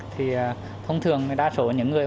thì thông thường đa số những người